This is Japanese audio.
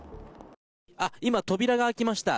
今、扉が開きました。